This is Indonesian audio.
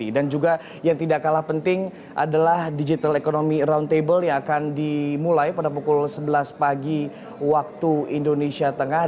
dan juga yang tidak kalah penting adalah digital economy roundtable yang akan dimulai pada pukul sebelas pagi waktu indonesia tengah